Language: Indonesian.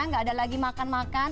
nggak ada lagi makan makan